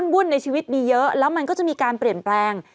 วุ่นในชีวิตมีเยอะแล้วมันก็จะมีการเปลี่ยนแปลง